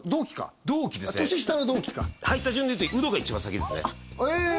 同期か年下の同期か入った順でいうとウドが一番先ですねえ！